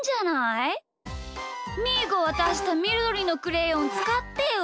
みーがわたしたみどりのクレヨンつかってよ！